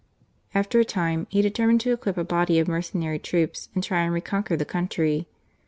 After a time he determined to equip a body of mercenary troops and try and reconquer the country.